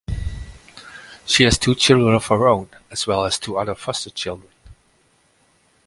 She has two children of her own, as well as two other foster children.